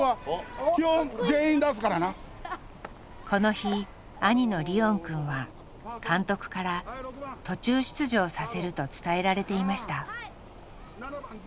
この日兄のリオンくんは監督から途中出場させると伝えられていました。